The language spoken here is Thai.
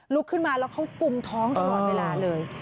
ขึ้นมาแล้วเขากุมท้องตลอดเวลาเลย